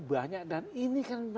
banyak dan ini kan